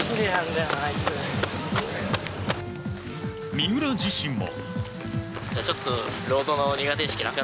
三浦自身も。